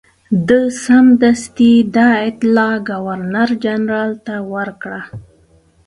ده سمدستي دا اطلاع ګورنرجنرال ته ورکړه.